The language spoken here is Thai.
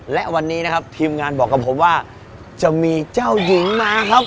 และวันนี้นะครับทีมงานบอกกับผมว่าจะมีเจ้าหญิงมาครับ